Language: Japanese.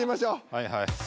はいはい。